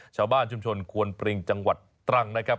ชาวบ้านชุมชนควนปริงจังหวัดตรังนะครับ